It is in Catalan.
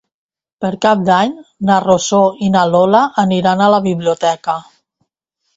Per Cap d'Any na Rosó i na Lola aniran a la biblioteca.